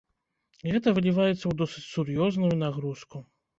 Гэта выліваецца ў досыць сур'ёзную нагрузку.